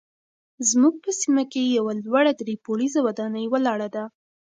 زموږ په سیمه کې یوه لوړه درې پوړیزه ودانۍ ولاړه ده.